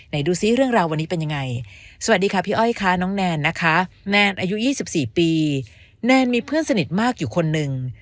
ดูซิเรื่องราววันนี้เป็นยังไงสวัสดีค่ะพี่อ้อยค่ะน้องแนนนะคะแนนอายุ๒๔ปีแนนมีเพื่อนสนิทมากอยู่คนหนึ่ง